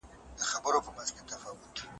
مستند فلمونه باید جوړ شي.